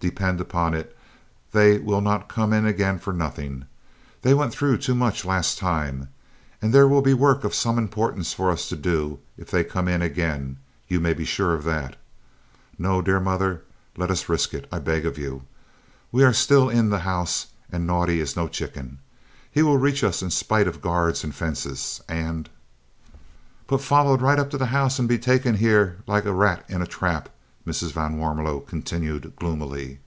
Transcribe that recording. Depend upon it they will not come in again for nothing. They went through too much last time, and there will be work of some importance for us all to do if they come in again, you may be sure of that. No, dear mother, let us risk it, I beg of you. We are still in the house, and Naudé is no chicken. He will reach us in spite of guards and fences, and " "Be followed right up to the house and be taken here like a rat in a trap," Mrs. van Warmelo continued gloomily.